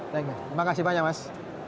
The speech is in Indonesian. terima kasih banyak mas